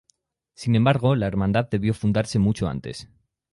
Sin embargo la hermandad debió fundarse mucho antes.